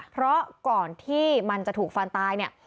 เพราะก่อนที่มันจะถูกฟันตายเนี่ย